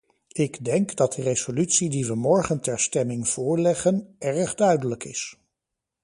Ik denk dat de resolutie die we morgen ter stemming voorleggen, erg duidelijk is.